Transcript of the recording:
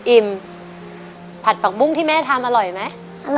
อิ่มผัดผักบุ้งที่แม่ทำอร่อยไหมอร่อย